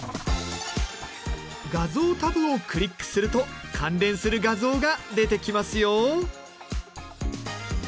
画像タブをクリックすると関連する画像が出てきますよ。